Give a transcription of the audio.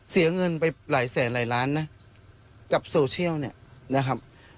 เสียเงินไปหลายแสนหลายล้านนะกับโซเชียลเนี่ยนะครับ